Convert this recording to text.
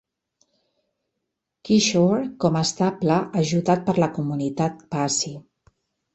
Kishore com a estable ajudat per la comunitat Pasi.